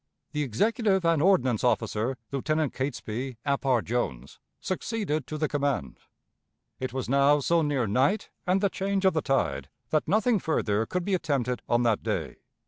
The executive and ordnance officer, Lieutenant Catesby Ap R. Jones, succeeded to the command. It was now so near night and the change of the tide that nothing further could be attempted on that day.